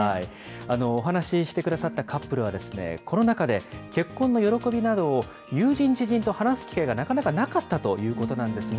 お話してくださったカップルは、コロナ禍で結婚の喜びなどを友人、知人と話す機会がなかなかなかったということなんですが。